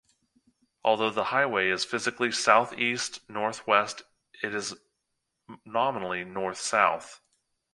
Although the highway is physically southeast-northwest, it is nominally north-south.